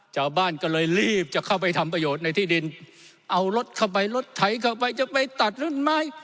ชาวบ้านก็เลยรีบจะเข้าไปทำประโยชน์ในที่ดินเอารถเข้าไปรถไถเข้าไปจะไปตัดรุ่นไม้